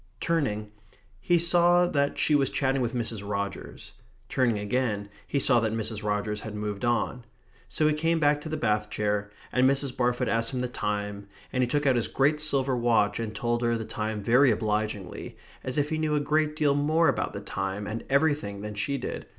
Turning, he saw that she was chatting with Mrs. Rogers. Turning again, he saw that Mrs. Rogers had moved on. So he came back to the bath chair, and Mrs. Barfoot asked him the time, and he took out his great silver watch and told her the time very obligingly, as if he knew a great deal more about the time and everything than she did.